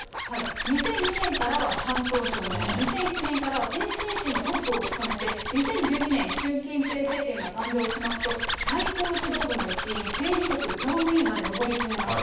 ２００２年からは山東省の、２００７年からは天津市のトップを務めて、２０１２年、習近平政権が誕生しますと、最高指導部の一員、政治局常務委員まで上り詰めました。